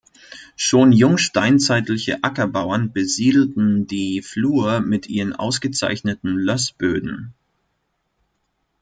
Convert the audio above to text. Schon jungsteinzeitliche Ackerbauern besiedelten die Flur mit ihren ausgezeichneten Lössböden.